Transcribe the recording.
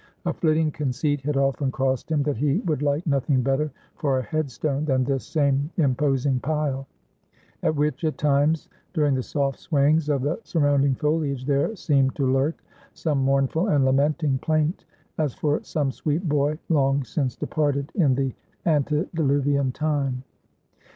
A flitting conceit had often crossed him, that he would like nothing better for a head stone than this same imposing pile; in which, at times, during the soft swayings of the surrounding foliage, there seemed to lurk some mournful and lamenting plaint, as for some sweet boy long since departed in the antediluvian time.